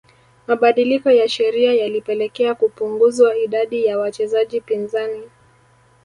Mabadiliko ya sheria yalipelekea kupunguzwa idadi ya wachezaji pinzani